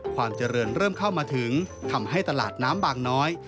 ความเจริญเริ่มเข้ามาถึงทำให้ตลาดน้ำบางน้อย